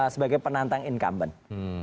sebagai penantang incumbent